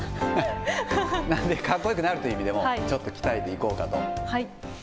なので、かっこよくなるという意味でも、ちょっと鍛えていこうかと。